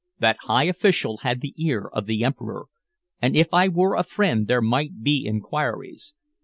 That high official had the ear of the Emperor, and if I were a friend there might be inquiries.